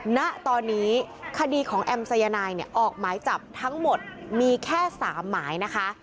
ณตอนนี้คดีของแอมสายนายเนี่ยออกหมายจับทั้งหมดมีแค่๓หมายนะคะ